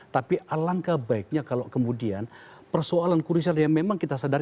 tapi alangkah baiknya kalau kemudian persoalan kurisanya memang kita sadar sadar